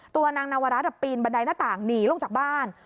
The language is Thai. ตัวนางนวรัฐปีนบันไดหน้าต่างหนีลงจากบ้าน